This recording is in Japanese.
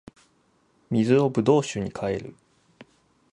水を葡萄酒に変える